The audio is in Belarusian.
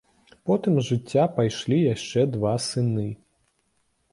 Потым з жыцця пайшлі яшчэ два сыны.